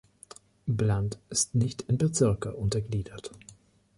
Bland ist nicht in Bezirke untergliedert.